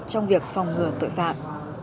trong việc phòng ngừa tội phạm